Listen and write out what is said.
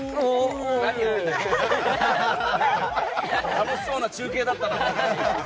楽しそうな中継だったな。